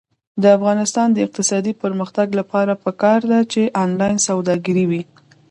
د افغانستان د اقتصادي پرمختګ لپاره پکار ده چې آنلاین سوداګري وي.